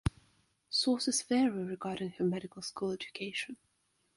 Sources vary regarding her medical school education.